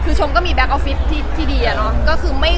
คือชมก็มีแก๊กออฟฟิศที่ดีอะเนาะ